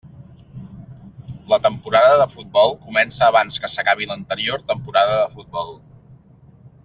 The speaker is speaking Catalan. La temporada de futbol comença abans que s'acabi l'anterior temporada de futbol.